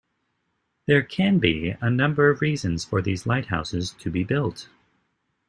There can be a number of reasons for these lighthouses to be built.